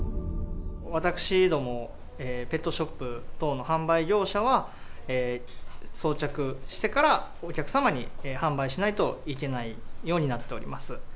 私どもペットショップ等の販売業者は、装着してからお客様に販売しないといけないようになっております。